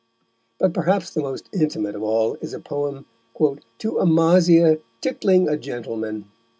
But perhaps the most intimate of all is a poem "To Amasia, tickling a Gentleman."